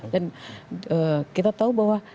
dan kita tahu bahwa